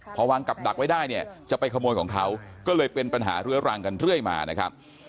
พอวางกับดักไว้ได้เนี่ยจะไปขโมยของเขาก็เลยเป็นปัญหาเรื้อรังกันเรื่อยมานะครับ